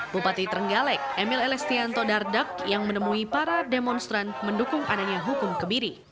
bupati trenggalek emil elestianto dardak yang menemui para demonstran mendukung adanya hukum kebiri